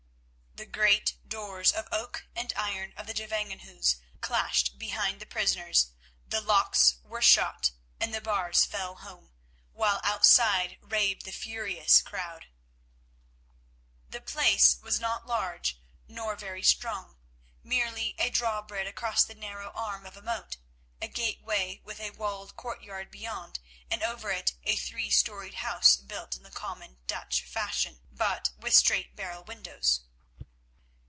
The great doors of oak and iron of the Gevangenhuis clashed to behind the prisoners, the locks were shot, and the bars fell home, while outside raved the furious crowd. The place was not large nor very strong, merely a drawbridge across the narrow arm of a moat, a gateway with a walled courtyard beyond, and over it a three storied house built in the common Dutch fashion, but with straight barrel windows.